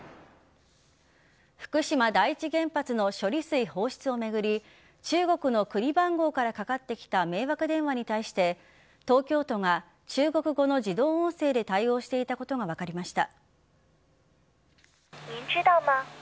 福島第１原発の処理水放出をめぐり中国の国番号からかかってきた迷惑電話に対して東京都が中国語の自動音声で対応していたことが分かりました。